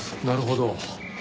なるほど。